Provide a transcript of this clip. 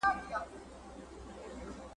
هغه پېړۍ چي پکي علوم جلا سول، نولسمه وه.